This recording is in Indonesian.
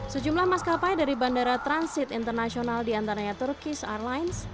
sejumlah maskapai dari bandara transit internasional diantaranya turkish airlines